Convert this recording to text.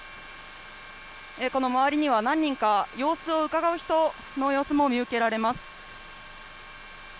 この周りには何人か様子をうかがう人の様子も見受けられます。